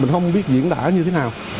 mình không biết diễn đả như thế nào